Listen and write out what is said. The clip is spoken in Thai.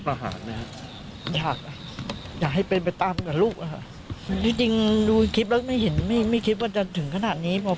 พอฟังแล้วมันยิ่งกว่าคลิปอีกค่ะ